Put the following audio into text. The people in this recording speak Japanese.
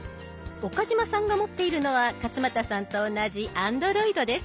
岡嶋さんが持っているのは勝俣さんと同じＡｎｄｒｏｉｄです。